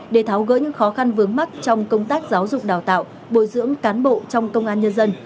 để tháo gỡ những khó khăn vướng mắt trong công tác giáo dục đào tạo bồi dưỡng cán bộ trong công an nhân dân